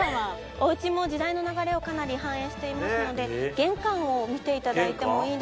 お家も時代の流れをかなり反映していますので玄関を見ていただいてもいいですか？